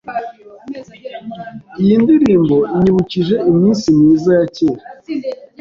Iyi ndirimbo inyibukije iminsi myiza ya kera.